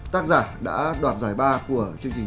tác giả đã đoàn giải ba của chương trình